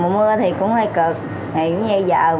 mùa mưa thì cũng hơi cực